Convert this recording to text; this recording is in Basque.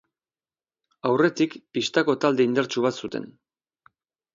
Aurretik pistako talde indartsu bat zuten.